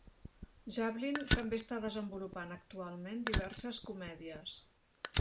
Jablin també està desenvolupant actualment diverses comèdies.